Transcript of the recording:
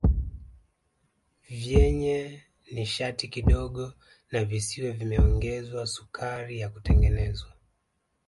Vyenye nishati kidogo na visiwe vimeongezwa sukari ya kutengenezwa